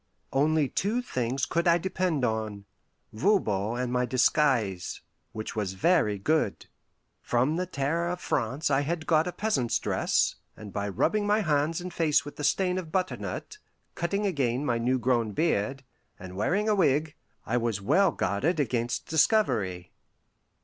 Only two things could I depend on: Voban and my disguise, which was very good. From the Terror of France I had got a peasant's dress, and by rubbing my hands and face with the stain of butternut, cutting again my new grown beard, and wearing a wig, I was well guarded against discovery.